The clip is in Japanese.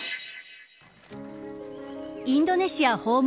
インドネシア訪問